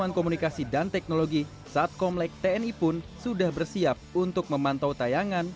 persatuan komunikasi dan teknologi satkomlek tni pun sudah bersiap untuk memantau tayangan